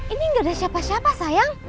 ini gak ada siapa siapa sayang